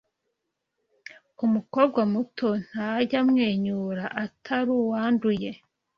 Umukobwa muto ntajya amwenyura Atari uwanduye.